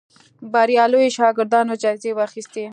بریالیو شاګردانو جایزې واخیستې